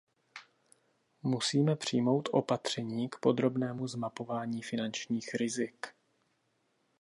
Musíme přijmout opatření k podrobnému zmapování finančních rizik.